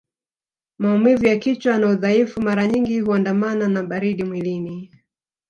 Maumivu ya kichwa na udhaifu mara nyingi huandamana na baridi mwilini